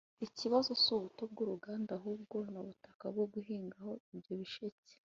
“Ikibazo si ubuto bw’uruganda ahubwo ni ubutaka bwo guhingaho ibyo bisheke